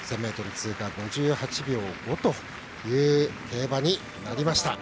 通過５８秒５という競馬になりました。